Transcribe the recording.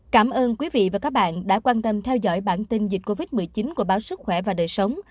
cảm ơn quý vị và các bạn đã quan tâm theo dõi bản tin dịch covid một mươi chín của báo sức khỏe và đời sống